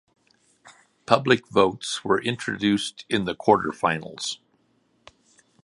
Public votes were introduced in the Quarterfinals.